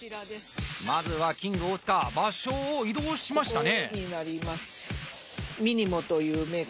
まずはキング大塚場所を移動しましたね